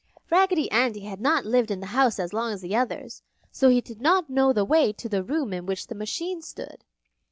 Raggedy Andy had not lived in the house as long as the others; so he did not know the way to the room in which the machine stood.